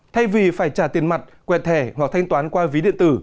thay vì phải trả tiền mặt quẹt thẻ hoặc thanh toán qua ví điện tử